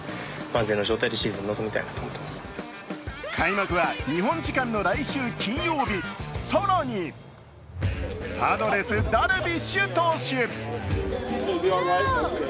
開幕は日本時間の来週金曜日、更にパドレス、ダルビッシュ投手。